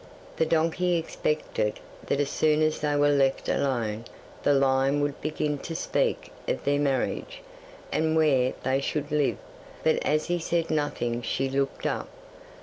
'The donkey expected that as soon as they were left alone the lion would begin to speak of their marriage, and where they should live, but as he said nothing she looked up.